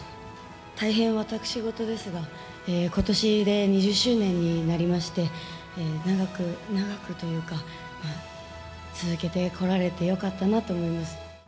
大変、私事ですが、ことしで２０周年になりまして、長く、長くというか、続けてこられてよかったなと思います。